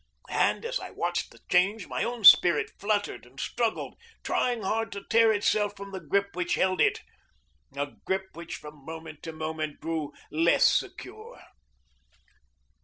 And as I watched the change my own spirit fluttered and struggled, trying hard to tear itself from the grip which held it a grip which, from moment to moment, grew less secure.